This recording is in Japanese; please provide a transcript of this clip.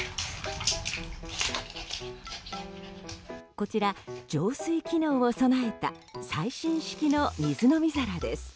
こちら、浄水機能を備えた最新式の水飲み皿です。